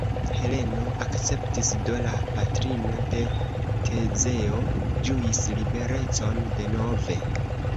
Heleno akceptis, do la patrino de Tezeo ĝuis liberecon denove.